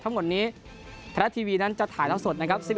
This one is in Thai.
ทั้งหมดนี้ไทยรัฐทีวีนั้นจะถ่ายแล้วสดนะครับ